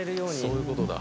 そういうことだ。